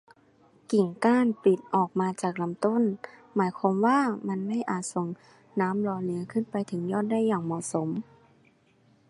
กิ่งก้านปลิดออกมาจากลำต้น หมายความว่ามันไม่อาจส่งน้ำหล่อเลี้ยงขึ้นไปถึงยอดได้อย่างเหมาะสม